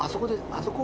あそこ？